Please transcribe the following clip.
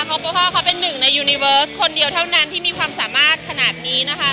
เพราะว่าพ่อเขาเป็นหนึ่งในยูนิเวิร์สคนเดียวเท่านั้นที่มีความสามารถขนาดนี้นะคะ